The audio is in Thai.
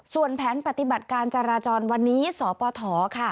ส่วนแผนปฏิบัติการจราจรวันนี้สปฐค่ะ